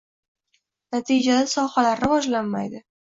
Natijada sohalar... rivojlanmaydi.